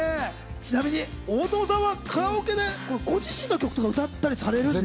ちなみに大友さんはカラオケでご自身の曲とか歌ったりされるんですか？